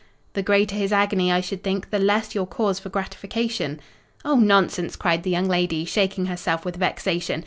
"The greater his agony, I should think, the less your cause for gratification." "Oh, nonsense!" cried the young lady, shaking herself with vexation.